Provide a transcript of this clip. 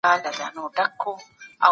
مرګ د هر رنګ او ژبې لپاره یو دی.